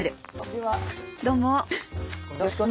あどうも。